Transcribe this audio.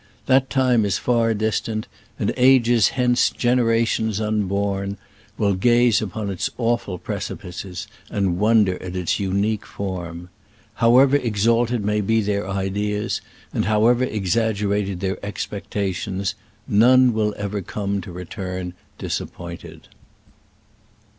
That time is far distant, and ages hence generations unborn will gaze upon its awful precipices and wonder at its unique form. However exalted may be their ideas arid however exaggerated their expectations, none will come to return disappointed